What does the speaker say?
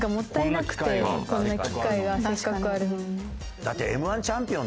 こんな機会がせっかくあるのに。